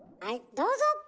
はいどうぞ！